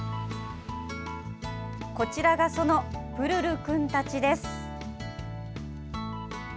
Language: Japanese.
こちらがそのプルルくんたちです。